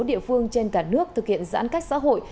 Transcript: sáu địa phương trên cả nước thực hiện giãn cách xã hội